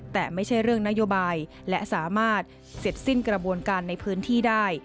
แต่ไม่ใช่เรื่องนโยบายและสามารถเสร็จสิ้นกระบวนการในพื้นที่ได้